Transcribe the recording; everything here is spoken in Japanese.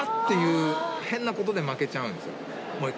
ていう変なことで負けちゃうんですよ。